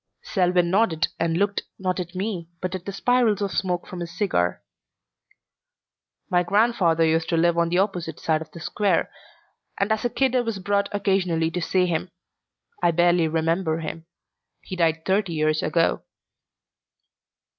Selwyn nodded and looked, not at me, but at the spirals of smoke from his cigar. "My grandfather used to live on the opposite side of the Square, and as a kid I was brought occasionally to see him. I barely remember him. He died thirty years ago."